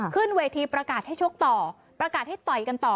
ขึ้นเวทีประกาศให้ชกต่อประกาศให้ต่อยกันต่อ